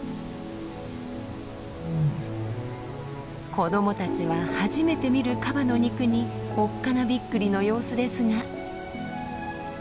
子どもたちは初めて見るカバの肉におっかなびっくりの様子ですが。